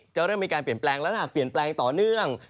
จะเริ่มมีการเปลี่ยนแปลงแล้วถ้าหากเปลี่ยนแปลงต่อเนื่อง